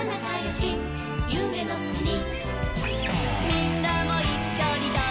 「みんな！